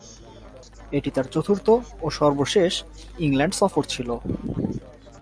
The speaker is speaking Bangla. এটি তার চতুর্থ ও সর্বশেষ ইংল্যান্ড সফর ছিল।